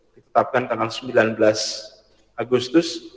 ditetapkan tanggal sembilan belas agustus